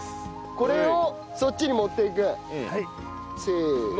これをそっちに持っていく。せーの！